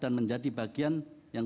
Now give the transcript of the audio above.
dan menjadi bagian yang